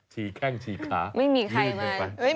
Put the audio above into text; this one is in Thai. ชี่แข้งชี่ขาไม่มีใครมา